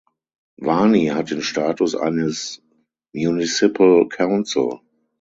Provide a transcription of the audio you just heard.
Wani hat den Status eines Municipal Council.